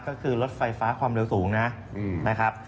ก็คือรถไฟฟ้าความเร็วสูงนะครับ